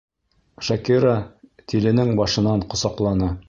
Шакира тиленең башынан ҡосаҡланы.